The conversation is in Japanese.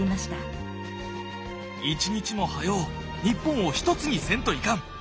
一日も早お日本を一つにせんといかん！